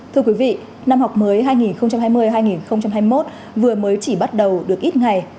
thưa quý vị năm học mới hai nghìn hai mươi hai nghìn hai mươi một vừa mới chỉ bắt đầu được ít ngày